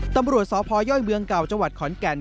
ตำรวจสพย่อยเมืองเก่าจขอนแก่น